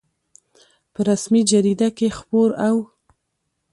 په رسمي جریده کې خپور او